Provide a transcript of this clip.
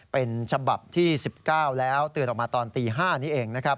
เป็นฉบับที่๑๙แล้วเตือนออกมาตอนตี๕นี้เองนะครับ